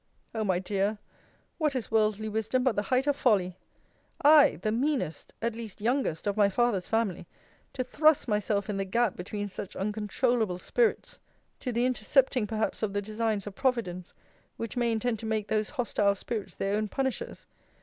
O my dear! what is worldly wisdom but the height of folly! I, the meanest, at least youngest, of my father's family, to thrust myself in the gap between such uncontroulable spirits! To the intercepting perhaps of the designs of Providence, which may intend to make those hostile spirits their own punishers.